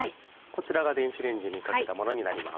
こちらが電子レンジにかけたものになります。